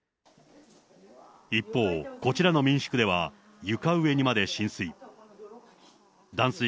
一方、こちらの民宿では、床上にまで浸水。